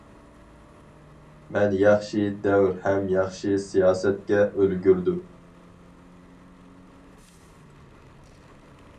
مەن ياخشى دەۋر ھەم ياخشى سىياسەتكە ئۈلگۈردۈم.